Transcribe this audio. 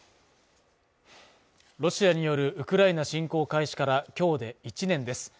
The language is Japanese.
ロシアによるウクライナ侵攻開始から今日で１年です。